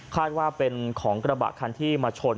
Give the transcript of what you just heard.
คาดว่าเป็นของกระบะทางที่เกิดมาชน